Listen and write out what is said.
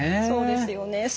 そうですよね。